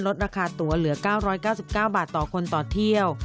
ลดราคาตัวเหลือ๙๙๙บาทต่อคนต่อเที่ยว